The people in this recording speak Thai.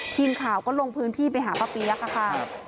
ทีมข่าวก็ลงพื้นที่ไปหาป้าเปี๊ยกค่ะ